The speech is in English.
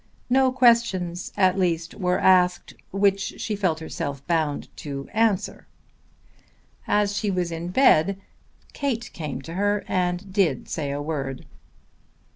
No questions, at least, were asked which she felt herself bound to answer. After she was in bed Kate came to her and did say a word.